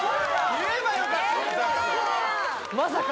・言えばよかったまさか